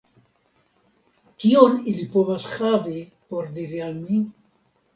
Kion ili povas havi por diri al mi?